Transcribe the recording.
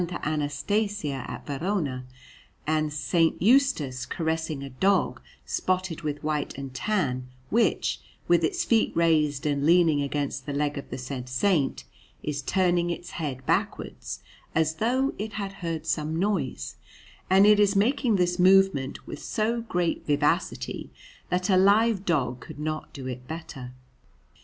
Anastasia at Verona, a S. Eustace caressing a dog spotted with white and tan, which, with its feet raised and leaning against the leg of the said Saint, is turning its head backwards as though it had heard some noise; and it is making this movement with so great vivacity, that a live dog could not do it better.